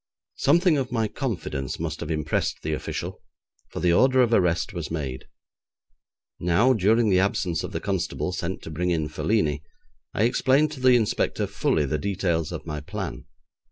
Something of my confidence must have impressed the official, for the order of arrest was made. Now, during the absence of the constable sent to bring in Felini, I explained to the inspector fully the details of my plan.